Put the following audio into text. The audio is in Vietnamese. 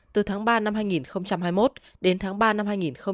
từ tháng ba năm hai nghìn hai mươi một đến tháng ba năm hai nghìn hai mươi